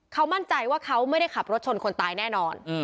เขามั่นใจว่าเขาไม่ได้ขับรถชนคนตายแน่นอน